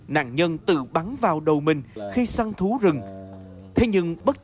nạn nhân tự bắn vào đầu mình